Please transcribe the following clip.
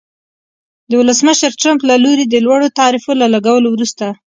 د ولسمشر ټرمپ له لوري د لوړو تعرفو له لګولو وروسته